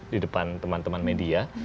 di depan teman teman media